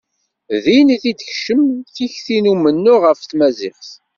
Din i t-id-tekcem tikti n umennuɣ ɣef tmaziɣt.